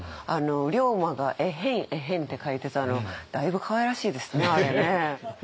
龍馬が「エヘンエヘン」って書いてたのだいぶかわいらしいですねあれね。